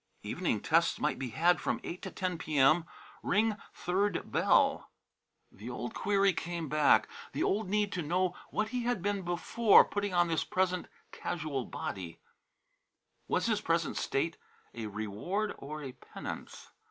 Evening tests might be had from 8 to 10 P.M. Ring third bell. The old query came back, the old need to know what he had been before putting on this present very casual body. Was his present state a reward or a penance?